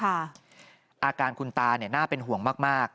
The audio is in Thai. ค่ะอาการคุณตาร์หน้าเป็นห่วงมาก